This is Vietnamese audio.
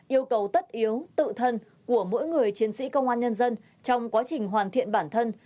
yêu cầu tất yếu tự thân của mỗi người chiến sĩ công an nhân dân trong quá trình hoàn thiện bản thân